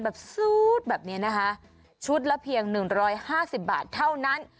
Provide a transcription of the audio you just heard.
ซูดแบบนี้นะคะชุดละเพียง๑๕๐บาทเท่านั้น